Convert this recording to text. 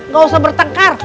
ga usah bertengkar